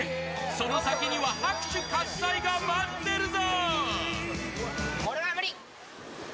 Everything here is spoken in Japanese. その先には拍手喝采が待ってるぞ。